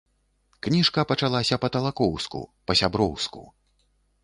Кніжка пачалася па-талакоўску, па-сяброўску.